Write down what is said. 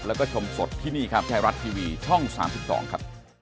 แล้วก็ชมสดที่นี่ครับไทยรัฐทีวีช่อง๓๒ครับ